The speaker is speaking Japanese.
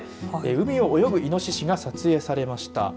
海を泳ぐいのししが撮影されました。